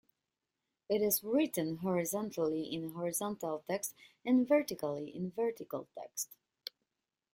It is written horizontally in horizontal text and vertically in vertical text.